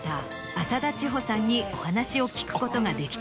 浅田智穂さんにお話を聞くことができた。